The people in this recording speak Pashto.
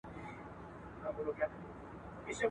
د پوهنې اړوند قوانین په سمه توګه نه پلي کيدل.